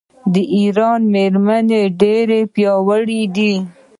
د ایران میرمنې ډیرې پیاوړې دي.